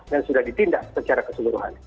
dan sudah ditindak secara keseluruhan